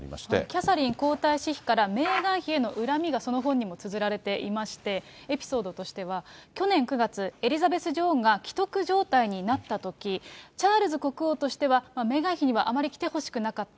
キャサリン皇太子妃からメーガン妃への恨みが、その本にもつづられていまして、エピソードとしては、去年９月、エリザベス女王が危篤状態になったとき、チャールズ国王としてはメーガン妃にはあまり来てほしくなかった。